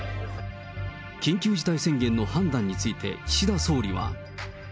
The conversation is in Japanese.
緊急事態宣言の判断について、岸田総理は。